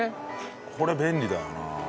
これ便利だよな。